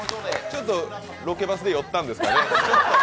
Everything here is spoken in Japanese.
ちょっとロケバスで寄ったんですかね。